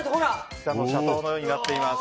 ピサの斜塔のようになっています。